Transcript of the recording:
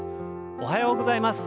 おはようございます。